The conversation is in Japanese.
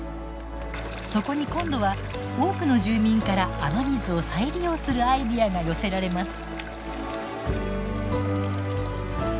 そこに今度は多くの住民から雨水を再利用するアイデアが寄せられます。